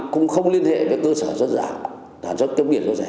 cũng không liên hệ với cơ sở xuất giả